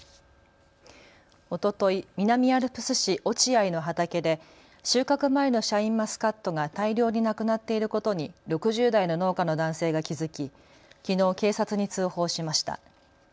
おととい南アルプス市落合の畑で収穫前のシャインマスカットが大量になくなっていることに６０代の農家の男性が気付ききのう警察に通報しました。